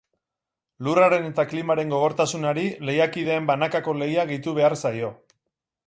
Lurraren eta klimaren gogortasunari, lehiakideen banakako lehia gehitu behar zaio.